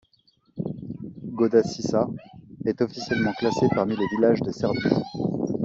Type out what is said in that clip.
Godačica est officiellement classée parmi les villages de Serbie.